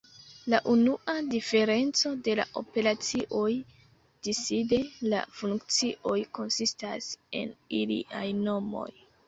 La unua diferenco de la operacioj disde la funkcioj konsistas en iliaj nomoj.